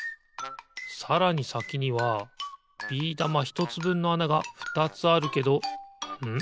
さらにさきにはビー玉ひとつぶんのあながふたつあるけどん？